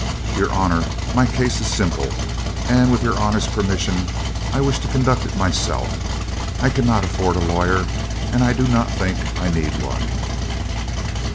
"Your honor, my case is simple, and with your honor's permission I wish to conduct it myself. I cannot afford a lawyer, and I do not think I need one."